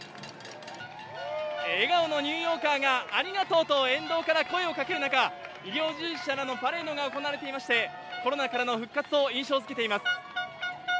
笑顔のニューヨーカーがありがとうと沿道から声をかける中、医療従事者らのパレードが行われていまして、コロナからの復活を印象づけています。